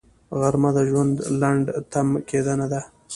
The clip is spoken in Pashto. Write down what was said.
غرمه د ژوند لنډ تم کېدنه ده